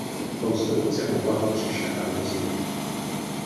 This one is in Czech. Konstrukce mohla být řešena různě.